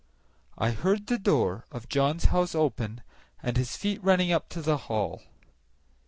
I heard the door of John's house open, and his feet running up to the hall.